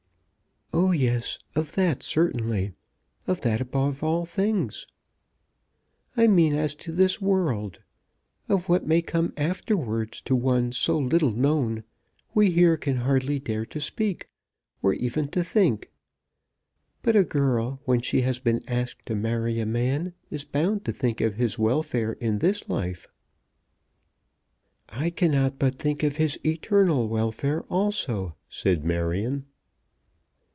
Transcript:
"Oh, yes; of that certainly; of that above all things." "I mean as to this world. Of what may come afterwards to one so little known we here can hardly dare to speak, or even to think. But a girl, when she has been asked to marry a man, is bound to think of his welfare in this life." "I cannot but think of his eternal welfare also," said Marion.